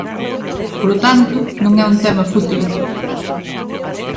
Polo tanto, non é un tema fútil.